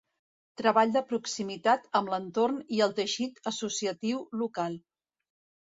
Treball de proximitat amb l'entorn i el teixit associatiu local.